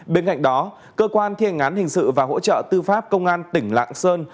bên cạnh đó cơ quan thi hành án hình sự và hỗ trợ tư pháp công an tỉnh lạng sơn